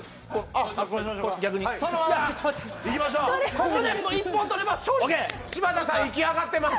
ここで１本取れば勝利です。